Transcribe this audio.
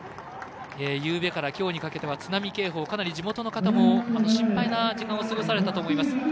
夕べから、きょうにかけては津波警報かなり地元の方も心配な時間を過ごされたと思います。